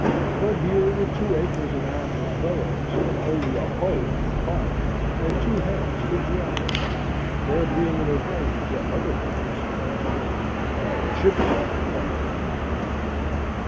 But here were two acres and a half of furrows, and only a hoe for cart and two hands to draw it,—there being an aversion to other carts and horses,—and chip dirt far away.